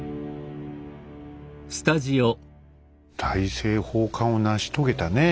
大政奉還を成し遂げたねえ